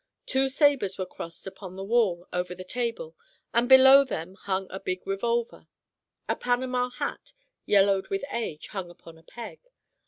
Two sabers were crossed upon the wall over the table, and below them hung a big revolver. A panama hat, yellowed with age, hung upon a peg.